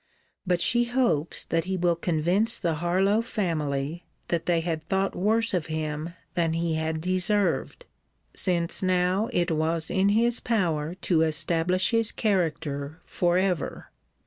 But she hopes that he will convince the Harlowe family that they had thought worse of him than he had deserved; since now it was in his power to establish his character for ever.